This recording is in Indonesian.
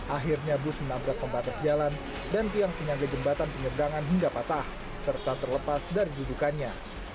akhirnya bus menabrak pembatas jalan dan tiang penyangga jembatan penyeberangan hingga patah serta terlepas dari dudukannya